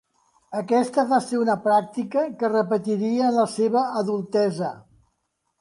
Aquesta va ser una pràctica que repetiria en la seva adultesa.